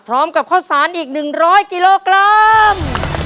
พร้อมกับข้าวสารอีก๑๐๐กิโลกรัม